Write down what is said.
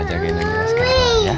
jagain adiknya askara